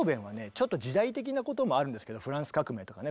ちょっと時代的なこともあるんですけどフランス革命とかね